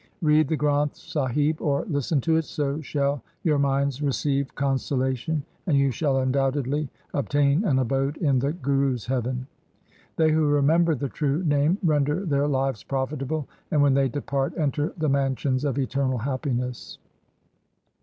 Read the Granth Sahib or listen to it, so shall your minds receive consolation, and you shall undoubtedly obtain an abode in the Guru's heaven. They who remember the true Name render their lives profitable, and when they depart enter the mansions of eternal happiness.'